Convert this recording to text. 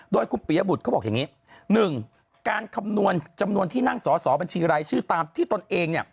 โดยคุณปียบุตรเขาบอกอย่างนี้๑การคำนวณจำนวนที่นั่งสอสอบัญชีรายชื่อตามที่ตนเองเนี่ย